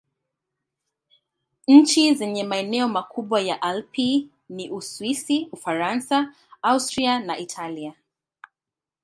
Nchi zenye maeneo makubwa ya Alpi ni Uswisi, Ufaransa, Austria na Italia.